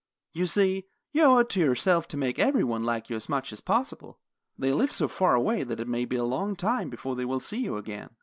You see, you owe it to yourself to make every one like you as much as possible. They live so far away that it may be a long time before they will see you again."